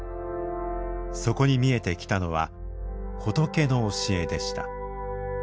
そこに見えてきたのは仏の教えでした。